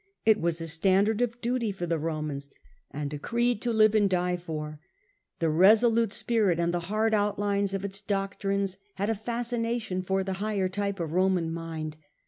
It was a standard of duty for the Romans, and a creed to live and A, D. Nero, 113 die for. The resolute spirit and the hard outlines of its doctrines had a fascination for the higher type of Roman mind.